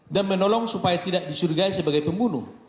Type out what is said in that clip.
dan menolong supaya tidak disuruh gaya sebagai pembunuh